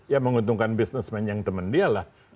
ya menguntungkan bisnismen yang teman dia lah